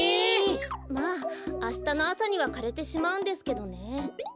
まああしたのあさにはかれてしまうんですけどね。